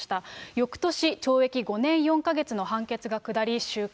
よくとし、懲役５年４か月の判決が下り、収監。